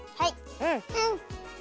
うん。